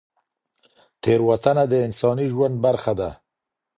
تېروتنه د انساني ژوند برخه ده.